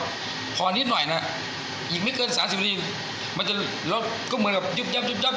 พอนิดหน่อยนะอีกไม่เกินสามสิบนิดมันจะแล้วก็เหมือนกับจิ๊บจับจิ๊บจับ